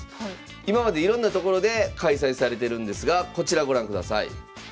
今までいろんな所で開催されてるんですがこちらご覧ください。